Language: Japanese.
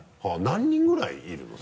何人ぐらいいるの？